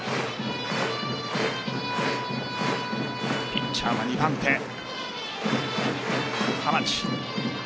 ピッチャーは２番手浜地。